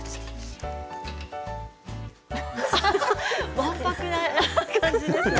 わんぱくな感じですね。